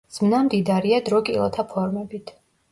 ზმნა მდიდარია დრო-კილოთა ფორმებით.